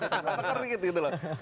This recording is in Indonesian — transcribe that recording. tekor dikit gitu loh